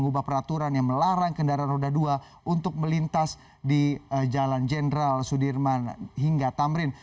mengubah peraturan yang melarang kendaraan roda dua untuk melintas di jalan jenderal sudirman hingga tamrin